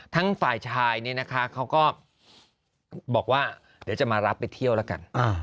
ทั้งฝ่ายชายเขาก็บอกว่าเดี๋ยวจะมารับไปเที่ยวแล้วกัน